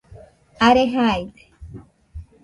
are jaide